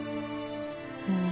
うん。